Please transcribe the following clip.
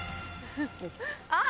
あっ！